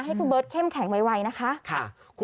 ให้คุณเบิร์ตเข้มแข็งไวนะคะ